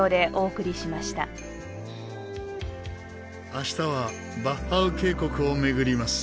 明日はヴァッハウ渓谷を巡ります。